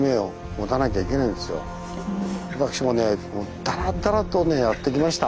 私もねだらだらとねやってきました。